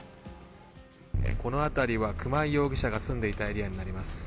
この辺りは熊井容疑者が住んでいたエリアになります。